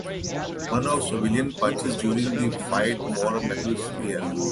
One of Sullivan's punches during the fight tore McLaughlin's ear.